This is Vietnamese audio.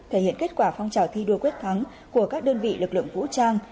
thể hiện kết quả phong trào thi đua quyết thắng của các đơn vị lực lượng vũ trang